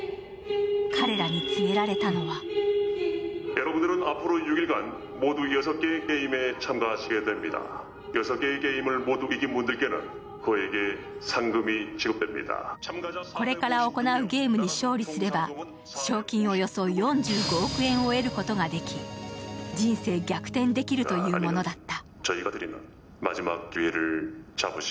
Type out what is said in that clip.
彼らに告げられたのはこれから行うゲームに勝利すれば、賞金およそ４５億円を得ることができ、人生逆転できるというものだった。